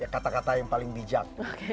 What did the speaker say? kata kata yang paling bijak